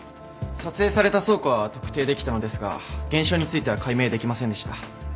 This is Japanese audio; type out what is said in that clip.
撮影された倉庫は特定できたのですが現象については解明できませんでした。